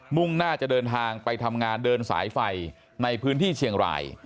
มุ่งหน้าจะเดินทางไปทำงานเดินสายไฟในพื้นที่เชียงราย